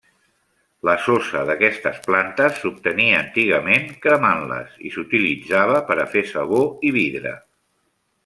La sosa d'aquestes plantes s'obtenia antigament cremant-les i s'utilitzava per a fer sabó i vidre.